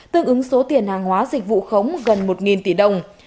tương ứng số tiền hàng hóa dịch vụ khống gần một tỷ đồng